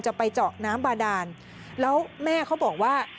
จะไปเจาะน้ำบาดานแล้วแม่เขาบอกว่า